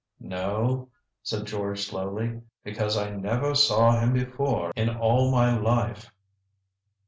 "No," said George slowly, "because I never saw him before in all my life."